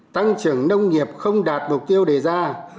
tăng trưởng nông nghiệp không đạt mục tiêu đề ra